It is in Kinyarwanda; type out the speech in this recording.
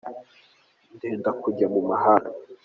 Ndenda kujya mu mahanga.